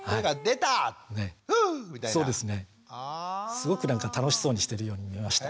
すごく楽しそうにしているように見えました。